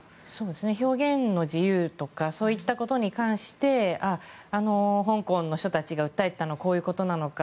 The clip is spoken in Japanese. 表現の自由とかそういったことに関して香港の人たちが訴えていたのはこういうことなのか。